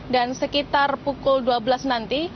dan sekitar pukul dua belas nanti